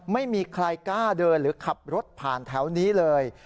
ไม่มีใครกล้าเดินหรือขับรถผ่านแถวนี้เลย